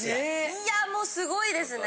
いやもうすごいですね。